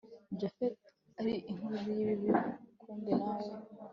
japhet ari inkozi yibibi kumbe nawe